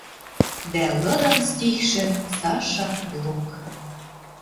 Дӓ лыдын стихшӹм Саша Блок.